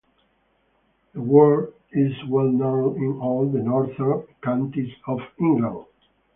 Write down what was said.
The word is well known in all the northern counties of England.